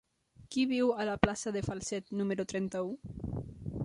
Qui viu a la plaça de Falset número trenta-u?